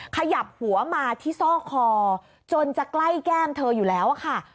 ขยับหัวมาที่ซอกคอจนจะใกล้แก้มเธออยู่แล้วค่ะ